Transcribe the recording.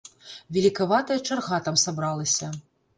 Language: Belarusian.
Велікаватая чарга там сабралася.